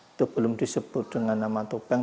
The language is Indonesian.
itu belum disebut dengan nama topeng